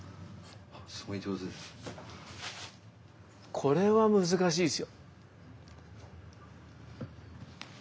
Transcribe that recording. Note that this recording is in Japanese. これは難しいですよ。